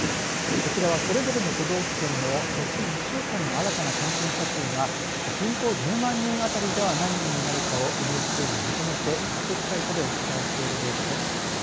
こちらは、それぞれの都道府県の直近１週間の新たな感染者数が人口１０万人あたりでは何人になるかＮＨＫがまとめて特設サイトでお伝えしているデータです。